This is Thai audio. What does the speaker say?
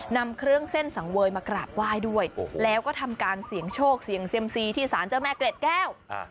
นำเครื่องเส้นสังเวยมากราบไหว้ด้วยแล้วก็ทำการเสี่ยงโชคเสี่ยงเซียมซีที่สารเจ้าแม่เกร็ดแก้ว